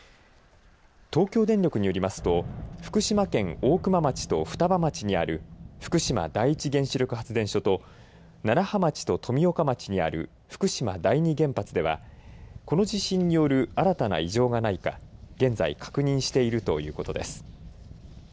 東京電力によりますと福島県大熊町と双葉町にある福島第一原子力発電所と楢葉町と富岡町にある福島第二原発ではこの地震による新たな異常がないか現在確認しているということです。